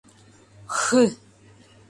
— Хы!